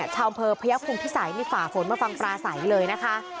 ชาวเมืองพระยักษ์คุมภิษัยในฝ่าฝนมาฟังปราสัยเลยนะคะ